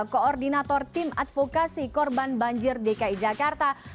koordinator tim advokasi korban banjir dki jakarta